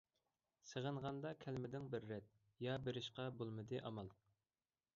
سېغىنغاندا كەلمىدىڭ بىر رەت، يا بېرىشقا بولمىدى ئامال.